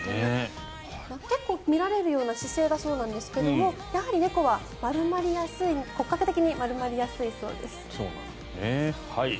結構見られるような姿勢なんだそうですがやはり猫は丸まりやすい骨格的に丸まりやすいそうです。